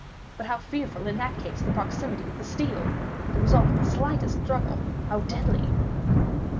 But how fearful, in that case, the proximity of the steel! The result of the slightest struggle how deadly!